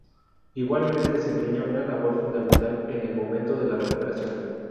Igualmente desempeña una labor fundamental en el momento de la recuperación.